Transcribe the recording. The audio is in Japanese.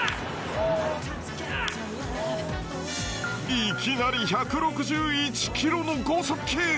いきなり１６１キロの豪速球。